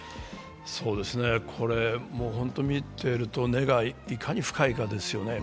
これ、ホント見てると根がいかに深いかですよね。